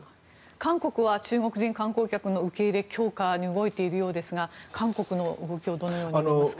韓国は中国人観光客の受け入れ強化に動いているようですが韓国の動きをどのように見ますか。